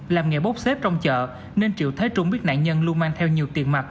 làm nghề bóp xếp trong chợ nên triệu thái trung biết nạn nhân luôn mang theo nhiều tiền mặt